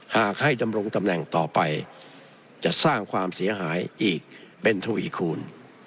หากให้ดำรงตำแหน่งต่อไปจะสร้างความเสียหายอีกเป็นทวีคูณ